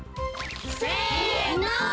せの！